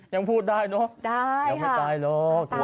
ยังพูดได้เนอะได้ยังไม่ตายหรอก